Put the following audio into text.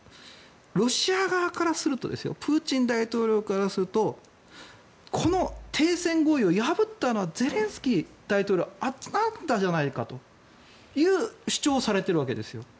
ロシア側からするとプーチン大統領からするとこの停戦合意を破ったのはゼレンスキー大統領あんたじゃないかという主張をされているわけですよ。